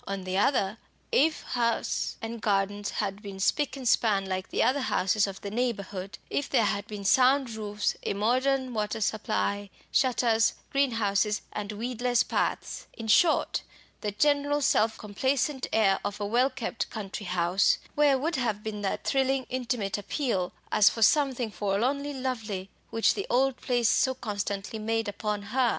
On the other, if house and gardens had been spick and span like the other houses of the neighbourhood, if there had been sound roofs, a modern water supply, shutters, greenhouses, and weedless paths, in short, the general self complacent air of a well kept country house, where would have been that thrilling intimate appeal, as for something forlornly lovely, which the old place so constantly made upon her?